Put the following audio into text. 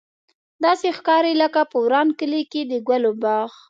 داسې ښکاري لکه په وران کلي کې د ګلو باغ.